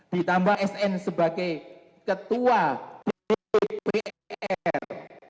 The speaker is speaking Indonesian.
ditambah sn sebagai ketua dpr